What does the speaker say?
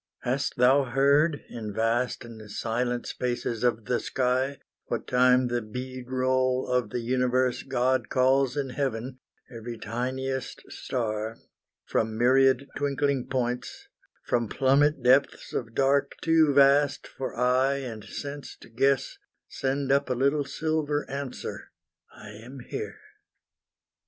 Hast thou heard, In vast and silent spaces of the sky, What time the bead roll of the universe God calls in heaven, every tiniest star From myriad twinkling points from plummet depths Of dark too vast for eye and sense to guess, Send up a little silver answer "I am here."